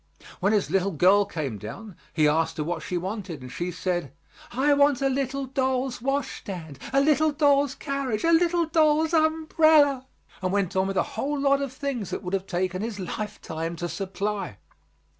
When his little girl came down, he asked her what she wanted, and she said, "I want a little doll's washstand, a little doll's carriage, a little doll's umbrella," and went on with a whole lot of things that would have taken his lifetime to supply.